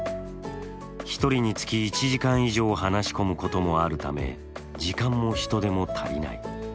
１人につき１時間以上話し込むこともあるため時間も人手も足らない。